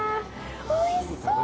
おいしそう！